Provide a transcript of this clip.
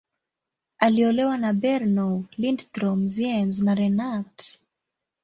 Aliolewa na Bernow, Lindström, Ziems, na Renat.